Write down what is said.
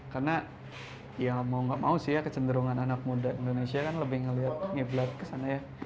karena ya mau gak mau sih ya kecenderungan anak muda indonesia kan lebih ngelihat ke sana ya